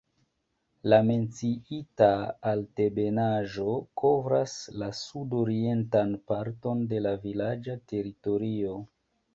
La menciita altebenaĵo kovras la sudokcidentan parton de la vilaĝa teritorio.